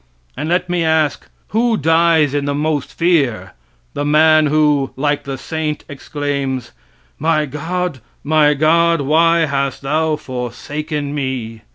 And let me ask, who dies in the most fear, the man who, like the saint, exclaims: "My God, my God! why hast thou forsaken me?"